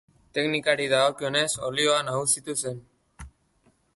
Teknikari dagokionez, olioa nagusitu zen.